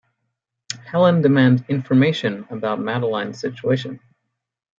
Helen demands information about Madeline's situation.